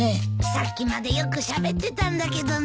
さっきまでよくしゃべってたんだけどな。